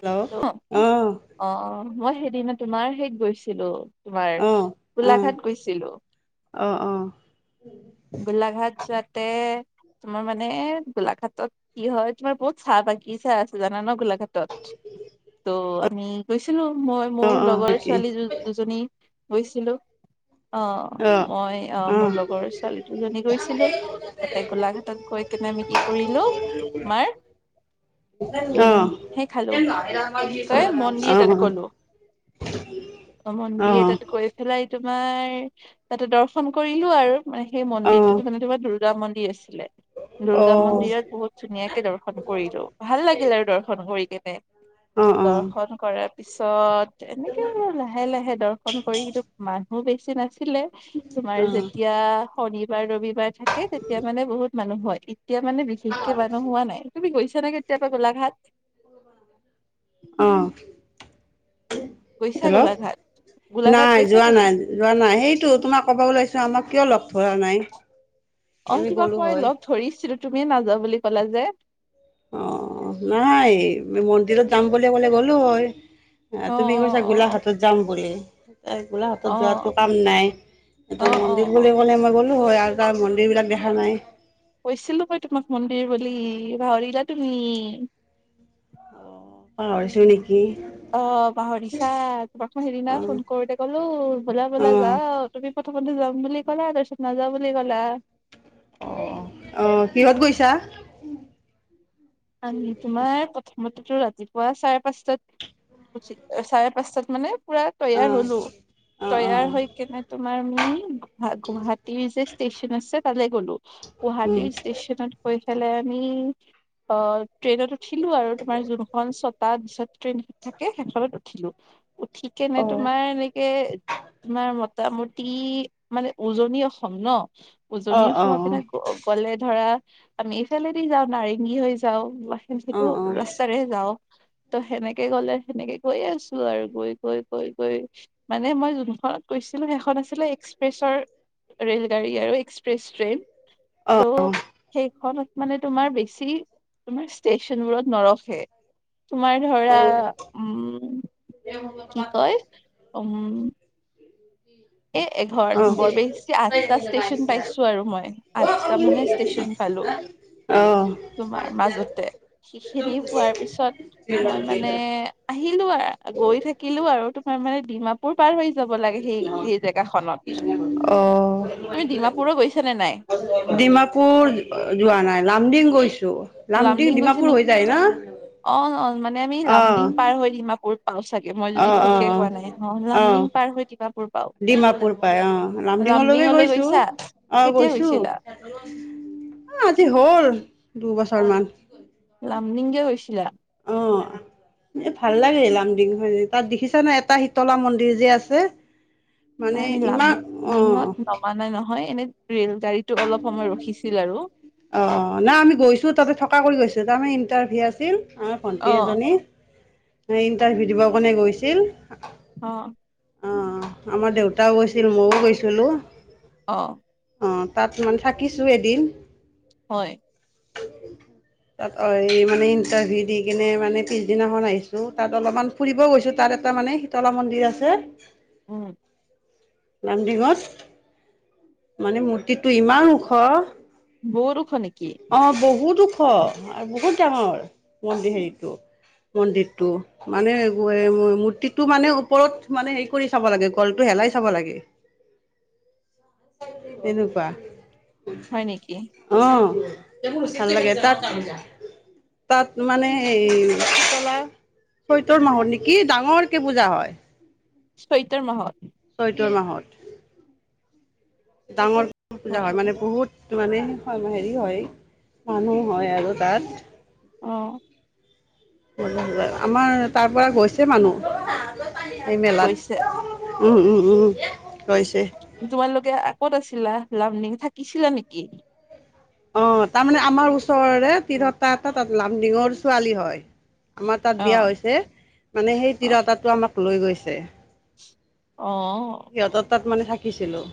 Hello অ অ মই সেইদিনা তোমাৰ সেইত গৈছিলো তোমাৰ অহ অহ গোলাঘাট গৈছিলো অ অ গোলাঘাট যোৱাতে তোমাৰ মানে গোলাঘাটত কি হয় তোমাৰ বহুত চাহ বাগিচা আছে জানা ন গোলাঘাটত ত' আমি গৈছিলো মই অ অ মোৰ অ লগৰ কি ছোৱালী দুজ দুজনী গৈছিলো অ অ মই অ মোৰ লগৰ ছোৱালী দুজনী গৈছিলোঁ তাতে গোলাঘাটত গৈ কেনে আমি কি কৰিলোঁ তোমাৰ- অ অ [unintelligible] উমঁ' সেই খালোঁ, কি কয় মন্দিৰ এটাত গ'লোঁ। মন্দিৰ এটাত গৈ পেলাই তোমাৰ তাতে দৰ্শন কৰিলোঁ আৰু- মানে সেই অ মন্দিৰটোতো মানে তোমাৰ দুৰ্গা মন্দিৰ আছিলে। অ দুৰ্গা মন্দিৰত বহুত ধুনীয়াকে দৰ্শন কৰিলোঁ। ভাল লাগিল আৰু দৰ্শন কৰি কেনে। অঁ' অঁ'। দৰ্শন কৰাৰ পিছত এনেকে আৰু লাহে লাহে দৰ্শন কৰি কিন্তু মানুহ বেছি নাছিলে। তোমাৰ যেতিয়া শনিবাৰ ৰবিবাৰ থাকে তেতিয়া মানে বহুত মানুহ হয়। এতিয়া মানে বিশেষকে মানুহ হোৱা নাই, তুমি গৈছা নে কেতিয়াবা গোলাঘাট? অঁ। গৈছা গোলাঘাট? গোলাঘাট নাই গৈছা যোৱা তুমি নাই যোৱা নাই সেইটো তোমাক ক'ব ওলাইছোঁ আমাক কিয় লগ ধৰা নাই? অঁ' আমি তোমাক গ'লো মই হয় লগ ধৰিছিলোঁ তুমিয়ে নাযাওঁ বুলি ক'লা যে। অঁ' নাই মন্দিৰত যাম বুলি ক'লে গ'লো হয়। অ তুমি অ কৈছা গোলাঘাটত যাম বুলি। অ গোলাঘাটত অ যোৱাটো কাম নাই, অ এতিয়া অ মন্দিৰ অ বুলি ক'লে মই গ'লোঁ হয় আৰু- তাৰ মন্দিৰবিলাক দেখা নাই। কৈছিলোঁ মই তোমাক মন্দিৰ বুলি পাহৰিলা তুমি। পাহৰিছোঁ নেকি। অঁ' পাহৰিছা, তোমাক মই সেইদিনা অ', ফোন কৰোঁতে কলোঁ বলা বলা অ'। যাও- তুমি প্ৰথমতে যাম বুলি ক'লা তাৰপিছত নাযাওঁ বুলি ক'লা। অঁ' অঁ' অঁ' কিহত গৈছা? তোমাৰ প্ৰথম- এইটো ৰাতিপুৱা চাৰে পাঁচটাত উচি, চাৰে পাঁচটাত মানে- পুৰা তৈয়াৰ অ', হ'লো, অ', অ', তৈয়াৰ হৈ কেনে তোমাৰ আমি গুৱাহাটী যে- ষ্টেচন আছে তালে গ'লো, উম। গুৱাহাটীৰ ষ্টেচনত গৈ পেলাই আমি- অ' ট্ৰেইনত উঠিলোঁ আৰু তোমাৰ যোনখন ছটা ট্ৰিছত ট্ৰেইন থাকে সেইখনত উঠি- উঠিলো, উঠি কেনে অ', তোমাৰ এনেকে তোমাৰ ম মোটামুটি মানে উজনি অসম ন উজনি অ', অ', অসমৰ অ', পিনে অকলে ধৰা আমি এইফালে দি যাওঁ নাৰেংগী হৈ যাওঁ। অ', সেইটো অ', ৰাস্তাৰে যাওঁ। ত' সেনেকে গ'লে সেনেকে গৈ আছোঁ আৰু গৈ গৈ গৈ গৈ- মানে মই যোনখনত কৰিছিলোঁ সেইখন আছিলে এক্সপ্ৰেছৰ- ৰেলগাড়ী আৰু এক্সপ্ৰেছ ট্ৰেইন অ', অ'। ত' সেইখনত মানে তোমাৰ বেছি- তোমাৰ ষ্টেশচনবোৰত নৰখে, তোমাৰ ধৰা উমঁ'- কি কয় উমঁ'- [unintelligible] এ এঘৰত বৰ বেছি আঠটা ষ্টেচন পাইছোঁ আৰু মই, আঠটা মানে ষ্টেচন পালোঁ। অঁ'। তোমাৰ মাজতে সেইখিনি পোৱাৰ পিছত- মই মানে আহিলোঁ আৰু গৈ থাকিলোঁ আৰু তোমাৰ মানে ডিমাপুৰ পাৰ হৈ যাব লাগে সেই- সেই জেগাখনত। অ', তুমি অ'। ডিমাপুৰো গৈছা নে নাই? ডিমাপুৰ যোৱা নাই, লামডিং গৈছোঁ, লামডিং ডিমাপুৰ হৈ যায় না। অঁ' অঁ' মানে আমি অ লামডিং পাৰ হৈ দিমাপুৰ- পাওঁ চাগে, মই অ যদি অ ভুলকে অ কোৱা নাই অ', লামডিং পাৰ হৈ দিমা ডিমাপুৰ পাই অ', লামডিঙলৈকে লামডিঙলৈ গৈছোঁ, গৈছা অ', কেতিয়া গৈছোঁ। গৈছিলা অ', আজি হ'ল দুবছৰ মান। লামডিং কিয় গৈছিলা? অ'। এ ভাল লাগে লামডিং হয়, তাত দেখিছা নাই এটা শীতলা মন্দিৰ যে আছে? মানে নাই মিলাভ, ইমান অ ডিঙত নমা নাই নহয় এনে ৰেল গাড়ীতো অলপ সময় ৰখিছিল আৰু। অ', নাই আমি গৈছোঁ তাতে থকা কৰি গৈছোঁ তাৰমানে ইণ্টাৰভিউ আছিল। আমাৰ অ ভণ্টি এজনী, ইণ্টাৰভিউ দিব কাৰণে গৈছিল। অ'। অ', আমাৰ দেউতাও গৈছিল মইও গৈছিলোঁ। অ'। অ', তাত মানে থাকিছোঁ‌ এদিন। হয়। তাত এই মানে ইণ্টাৰভিউ দি কিনে মানে পিছদিনাখন আহিছোঁ, তাত অলপমান ফুৰিব গৈছোঁ তাত এটা মানে শীতলা মন্দিৰ আছে। উম। লামডিঙত, মানে মূৰ্তিটো ইমান ওখ। বহুত ওখ নেকি? অ', বহুত ওখ আৰু বহুত ডাঙৰ মন্দিৰ হেৰিটো, মন্দিৰটো। মানে [unintelligible] মূৰ্তিটো মানে ওপৰত মানে হেৰি কৰি চাব লাগে গ'লটো হেলাই চাব লাগে। [inaudible] তেনেকুৱা। হয় নেকি? অ', ভাল লাগে তাত তাত মানে সেয়ি শীতলা চৈতৰ মাহত নেকি, ডাঙৰ কে পূজা হয়। চৈতৰ মাহত? চৈতৰ মাহত। ডাঙৰ পূজা হয়, মানে বহুত তো মানে হেৰি হয়, মানুহ হয় আৰু তাত। অ'। আমাৰ তাৰ পৰা গৈছে মানুহ, সেই গৈছে মেলাত। উম-উম-উম গৈছে। তোমালোকে ক'ত আছিলা লামডিং, থাকিছিলা নেকি? অ', তাৰমানে আমাৰ ওচৰৰে তিৰটা এটা তাত লামডিঙৰ ছোৱালী হয়। আমাৰ তাত অ বিয়া হৈছে, মানে সেই অ তিৰতাটো আমাক লৈ গৈছে। অ'। সিহঁতৰ তাত মানে থাকিছিলোঁ।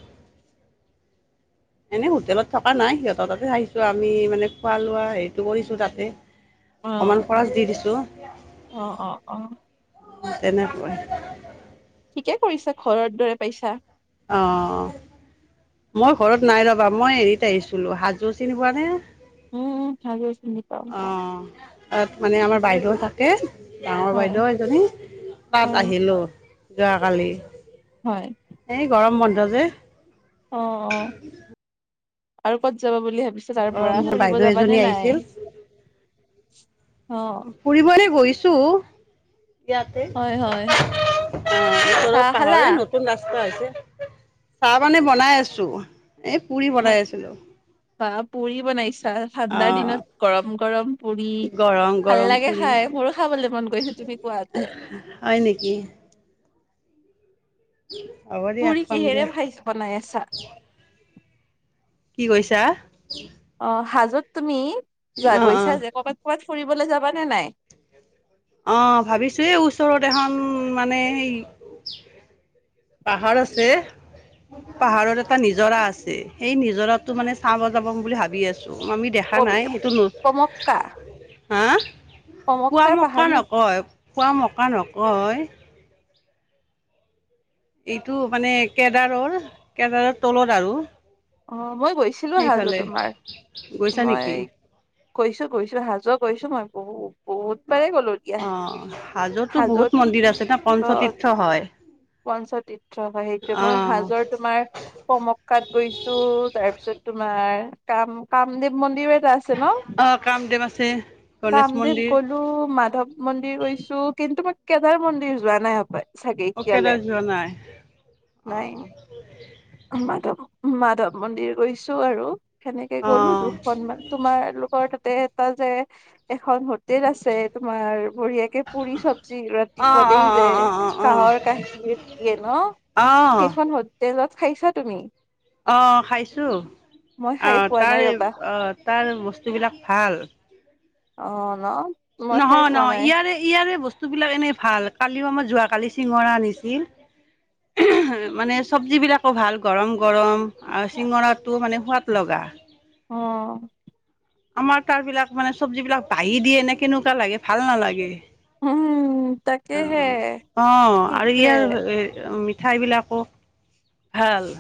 [inaudible] এনেই হোটেলত থকা নাই, সিহঁতৰ তাতে আহিছোঁ আমি মানে খোৱা লোৱা হেৰিটো কৰিছোঁ তাতে। [inaudible] অকমান খৰাচ দি দিছোঁ‌। অ'-অ'-অ'। তেনেকৈ ঠিকে কৰিছা, ঘৰৰ দৰে পাইছা। অ', মই ঘৰত নাই ৰ'বা। মই হেৰিত আহিছিলোঁ। হাজো চিনি পোৱানে? উম, উম। হাজো চিনি পাওঁ পাওঁ অ' তাত মানে আমাৰ বাইদেউ থাকে। ডাঙৰ হয় বাইদেউ এজনী, তাত হয় আহিলোঁ যোৱাকালি। হয়। এই গৰম বন্ধ যে অ', অ' আৰু ক'ত যাবা বুলি ভাবিছ তাৰ গৰম পৰা ফুৰিব বাইদেউ যাবানে এজনী নাই? আহিছিল অ' ফুৰিবলে গৈছোঁ। ইয়াতে, হয় হয় [unintelligible] ওচৰৰ চাহ খালা পাহাৰ এই নত তুন ৰাস্তা হৈছে। চাহ মানে বনাই আছোঁ। এই পুৰি বনাই আছিলোঁ। বাঃ পুৰি বনাইছা, অ ঠাণ্ডাৰ দিনত গৰম গৰম। পুৰি, গৰম ভাল গৰম লাগে পুৰি খাই। মোৰো খাবলে মন গৈছে তুমি কোৱাতে। হয় নিকি? [unintelligible] পুৰি কিহেৰে দিয়া ভাইছ বনাই আছা? কি কৈছা? অ' হাজোত তুমি যা অ অ গৈছা যে কৰ'বাত ক'ৰবাত ফুৰিবলৈ যাবানে নাই? অ' ভাবিছোঁ এই ওচৰত এখন মানে সেই পাহাৰ আছে পাহাৰৰ এটা নিজৰা আছে। সেই নিজৰাটো মানে চাব যাবম বুলি ভাবি আছোঁ, আমি দেখ খা পবি নাই, সেইটো নো, পমক্কা হা! পমক্কাৰ পোৱামক্কা পাহাৰ নেকি নকয়। পোৱা মক্কা নকয়। এইটো মানে কেদাৰৰ, কেদাৰৰ তলত আৰু অ' মই গৈছিলোঁ হাজো সেইফালে তোমাৰ। গৈছা নেকি মই কৈছোঁ গৈছোঁ হাজো গৈছোঁ মই বহু। বহুত বাৰে গ'লো দিয়া অ' হাজোতো হাজোত বহুত মন্দিৰ আছে না অ পঞ্চতীৰ্থ হয়। পঞ্চতীৰ্থ হয় সেইটোয়ে। অ মই হাজৰ তোমাৰ পম কাত গৈছোঁ, তাৰ পিছত তোমাৰ কাম-কামদেৱ মন্দিৰ এটা আ ছে ন'! অ কামদেৱ আছে গণেশ কামদেৱ মন্দিৰ গ'লো, মাধৱ মন্দিৰ গৈছোঁ, কিন্তু মই কেদাৰ মন্দিৰ যোৱা নাই হপায় চাগে? অ' এতিয়ালে কেদাৰ যোৱা নাই? নাই অ' মাধৱ মাধৱ মন্দিৰ গৈছোঁ আৰু সেনেকে অ গ'লো দুখন মান। তোমাৰ লোকৰ তাতে এটা যে এখন হোট টেল আছে তোমাৰ বঢ়িয়াকে পুৰি চবজি অ ৰাতিপুৱা অ অ দেই যে। অ অ অ কাহৰ কাঁহীৰ দিয়ে ন', আহ সেইখন হোটেলত খাইছা তুমি? অ' খাইছোঁ। মই খাই অ' পোৱা নাই তাৰে ৰবা অ' তাৰ বস্তুবিলাক ভাল। অ' ন'! মই খাই নহয় পোৱা নহয়। নাই ইয়াৰে ইয়াৰে বস্তুবিলাক এনেই ভাল। কালিও আমাৰ যোৱাকালি চিঙৰা আনিছিল। মানে চব্জিবিলাকো ভাল, গৰম গৰম আৰু চিঙৰাটো মানে সোৱাদ লগা। অ'। আমাৰ তাৰ বিলাক মানে চবজি বিলাক বাহি দিয়ে নে, কেনেকুৱা লাগে ভাল নালাগে। উম তাকেহে অ' আৰু সেইটোৱে ইয়াৰ মিঠাই বিলাক [unintelligible] ভাল।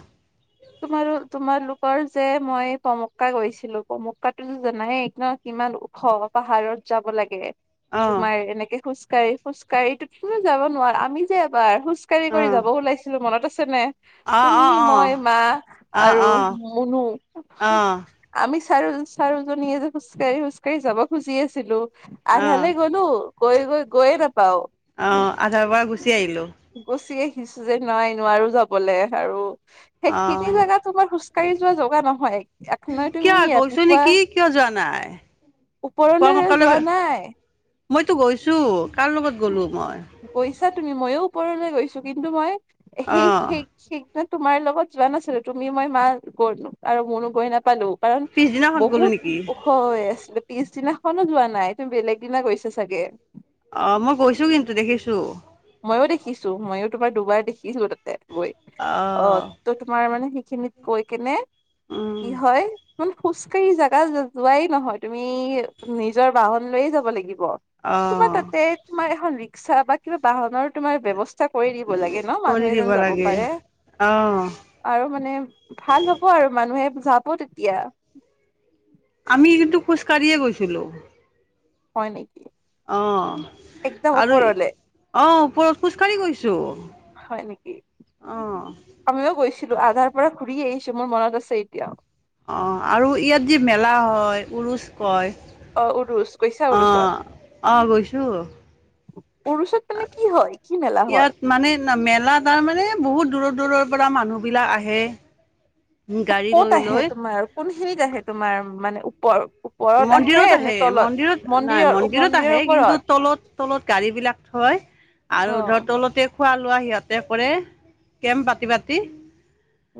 তোমাৰ তোমালোকৰ যে মই কমক্কা গৈছিলোঁ কমক্কাটো জানাইে ন। কিমান ওখ পাহাৰত যাব লাগে। অ', তোমাৰ এনেকে খোজকাঢ়ি খোজকাঢ়ি ত কোনো যাব নোৱাৰা আমি যে এবাৰ খোজ খোজ কাঢ়ি অ', কৰি অ', যাব ওলাইছিলোঁ মনত আছে নাই অ', তুমি অ', অ', মই? মা আৰু অ', মুনু। অ', আমি চাৰি চাৰোজনীয়ে যে খোজকাঢ়ি খোজকাঢ়ি যাব খুজি আছিলোঁ। অ', আধালে গলোঁ গৈ গৈ গৈয়ে নাপাওঁ। অ আধাৰ পৰা গুচি আহিলোঁ। গুচি আহিছোঁ যে নাই নোৱাৰোঁ যাবলৈ আৰু। সেইখিনিতে অ', জেগাত তোমাৰ খোজকাঢ়ি যোৱা জগা নহয় এ নহয় কিয় তুমি গৈছো ৰাতিপুৱা নেকি কিয় যোৱা নাই পুৱা ওপৰলে যোৱা মক্কালৈ? নাই মইতো গৈছোঁ কাৰ লগত গ'লোঁ মই গৈছা তুমি মইয়ো ওপৰলৈ গৈছোঁ কিন্তু মই সেই অ', সেই সেইদিনা তোমাৰ লগত যোৱা নাছিলোঁ তুমি, মই, মা গ আৰু মুনু গৈ নাপালোঁ। কাৰণ পিছদিনাখন গ'লো বহুত নেকি ওখ। ওখ হৈ আছিলে পিছদিনাখনো যোৱা নাই তুমি বেলেগ দিনা গৈছা চাগে। অ মই গৈছোঁ কিন্তু দেখিছোঁ। মইয়ো দেখিছোঁ মইয়ো তোমাৰ দুবাৰ দেখিছোঁ তাতে গৈ অঁ। অ', ত তোমাৰ মানে সেইখিনিত কয় কিনে কি উম। হয় ইমান খোজ কাঢ়ি জাগা যোৱাই নহয় তুমি নিজৰ বাহন লৈয়ে যাব লাগিব। তোমাৰ অ', তাতে তোমাৰ এখন ৰিক্সা বা কিবা বাহনৰ তোমাৰ ব্যৱস্থা কৰি দিব লাগে ন কৰি মানুহ দিব এজন যাব লাগে। পাৰে। অ', আৰু মানে ভাল হ'ব আৰু মানুহে যাব তেতিয়া। আমি কিন্তু খোজ কাঢ়িয়ে গৈছিলোঁ। হয় নেকি? অ একদম আৰু ওপৰলে অ ওপৰত খোজকাঢ়ি গৈছোঁ। হয় নেকি আমিও গৈছিলোঁ আধাৰ পৰা ঘূৰি আহিছোঁ মোৰ মনত আছে এতিয়াওঁ। অ আৰু ইয়াত যি মেলা হয় উৰুচ কয়। অ উৰুচ গৈছা অ উৰুচত আহ গৈছোঁ। উৰুচাত মানে কি হয় কি মেলা হয়? ইয়াত মানে মেলা তাৰমানে বহুত দূৰৰ দূৰৰ পৰা মানুহবিলাক আহে। গাড়ী ক'ত লৈ আহে লৈ তোমাৰ কোনখিনিত আহে তোমাৰ মানে ওপৰত? মন্দিৰত নে আহে তলত? মন্দিৰত নাই মন্দিৰৰ মন্দিৰত মন্দিৰৰ আহে কিন্তু ওপৰত তলত তলত গাড়ী বিলাক থয় আৰু অ ধৰ তলতেই খোৱা লোৱা সিহঁতে কৰে কেম্প পাতি পাতি।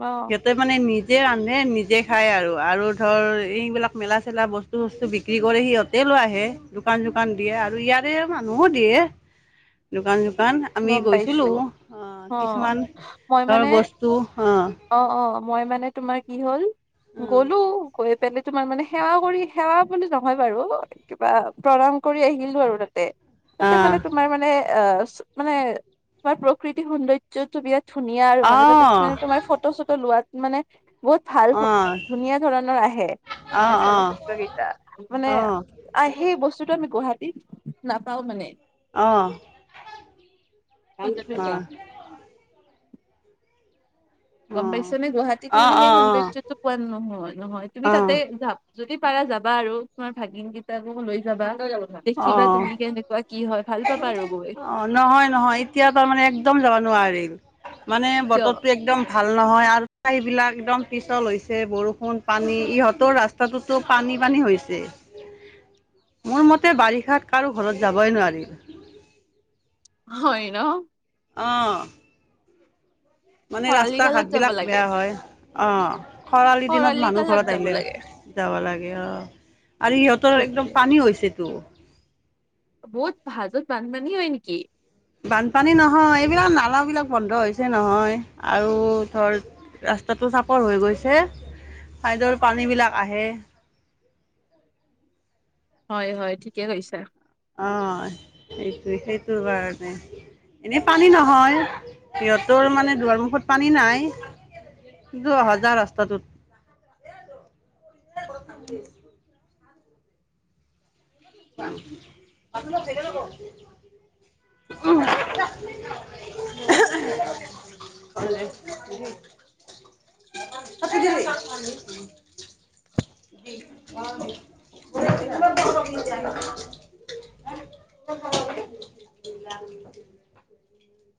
অঁ। সিহঁতে মানে নিজে ৰান্ধে নিজেই খায় আৰু আৰু ধৰ এইবিলাক মেলা চেলা বস্তু বস্তু বস্তু বিক্ৰী কৰে সিহঁতে লৈ আহে দোকান চোকান দিয়ে আৰু ইয়াৰে মানুহো দিয়ে। দোকান চোকান আমি গম গৈছিলোঁ পাইছো অ কিছুমান মই ধৰ মানে বস্তু আহ অ ', অ ', মই মানে তোমাৰ কি হ'ল গলোঁ গৈ বেলে তোমাৰ মানে সেৱা কৰি সেৱা বুলি নহয় বাৰু। কিবা প্ৰণাম কৰি আহিলোঁ আৰু তাতে। অ' তাতে মানে তোমাৰ মানে আহ মানে তোমাৰ প্ৰকৃতি সৌন্দৰ্য্য টো বিৰাট ধুনীয়া আৰু অ' মানে অ' তাতে তুমি মানে তোমাৰ ফটো চটো লোৱাত মানে বহুত ভাল অ' ধুনীয়া ধৰণৰ আহে মানে অ' চলচ্চিত্ৰ কেইটা মানে অ' অ' আৰু সেই বস্তুটো আমি গুৱাহাটীত নাপাওঁ মানে অ অ', অ', [unintelligible] গম পাইছা নে গুৱাহাটীত মানে সেই অ', সৌন্দৰ্যটো পোৱা নহয় নহয় তুমি তাতে অ', যা যদি পাৰা যাবা আৰু তোমাৰ ভাগিন কেইটাকো লৈ যাবা অ', দেখিবা অ', তুমি কেনেকুৱা কি হয়। ভাল পাবা আৰু গৈ। অ নহয় নহয় এতিয়া তাৰমানে একদম যাব নোৱাৰিম মানে কিয় বতৰটো একদম ভাল নহয় আৰু এইবিলাক একদম পিছল হৈছে বৰষুণ পানী ইহঁতৰ ৰাচ ৰাস্তাটো পানী পানী হৈছে। [inaudible] মোৰ মতে বাৰিষাত কাৰোঁ ঘৰত যাবই নোৱাৰি। হয় ন। অ মানে খৰালি ৰাস্তা কালত যাব ঘাটবিলাক লাগে বেয়া হয় অ, খৰালি দিনত মানুহ কালত ঘৰত যাব আহিলে লাগে যাব লাগিব আৰু ইহঁতৰ একদম সেইটোৱে পানী হৈছেতো। বহুত ভাঁজত বানপানী হয় নেকি। বানপানী নহয় এইবিলাক নালাবিলাক বন্ধ হৈছে নহয় আৰু ধৰ ৰাস্তাটো চাপৰ হৈ গৈছে ছাইডৰ পানীবিলাক আহে। হয় হয় ঠিকে কৈছা। অ সেইটোৱে সেইটোৰ কাৰণে। এনেই পানী নহয় সিহঁতৰ মানে দুৱাৰ মুখত পানী নাই। কিন্তু অহা যোৱাৰ ৰাস্তাটোত। [unintelligible] [unintelligible] সেই কাৰণে কওঁ উম [unintelligible] [inaudible] [inaudible]